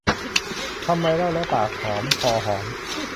ทำไมเล่าแล้วปากหอมคอหอม